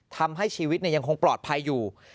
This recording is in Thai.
ทำให้ชีวิตยังคงปลอดภัยอยู่